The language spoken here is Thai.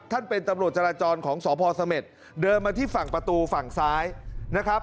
เป็นตำรวจจราจรของสพเสม็ดเดินมาที่ฝั่งประตูฝั่งซ้ายนะครับ